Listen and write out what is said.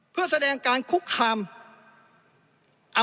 เพื่อแสดงการคุกคาม